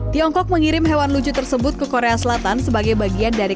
tiongkok mengirim hewan lucu tersebut ke korea selatan sebagai bagian dari